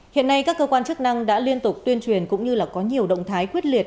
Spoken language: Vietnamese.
hiện nay các cơ quan chức năng đã liên tục tuyên truyền cũng như có nhiều động thái quyết liệt